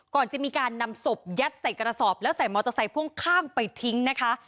ก่อนจะมีการนำศพยัดใส่กระสอบแล้วใส่มอเตอร์ไซค์พ่วงข้างไปทิ้งนะคะ